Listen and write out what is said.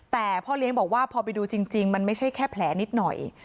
แต่พ่อเลี้ยงบอกว่าพอไปดูจริงมันไม่ใช่แค่แผลนิดหน่อย